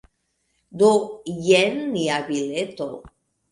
Do, jen nia bileto.